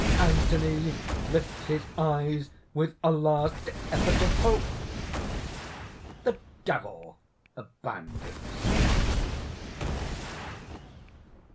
(Anthony lifts his eyes with a last effort of hope. _The Devil abandons him.